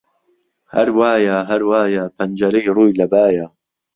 ههر وایه ههر وایه پهنجهرهی رووی له بایه